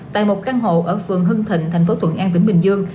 tại một căn hộ ở phường hưng thịnh thành phố thuận an tỉnh bình dương